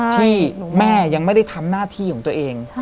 ที่แม่ยังไม่ได้ทำหน้าที่ของตัวเอง